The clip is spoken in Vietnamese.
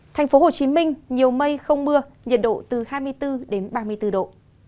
thành phố hồ chí minh nhiều mây không mưa nhiệt độ từ hai mươi bốn đến ba mươi bốn độ